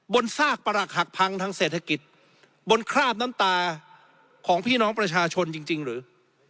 ซากประหลักหักพังทางเศรษฐกิจบนคราบน้ำตาของพี่น้องประชาชนจริงหรือ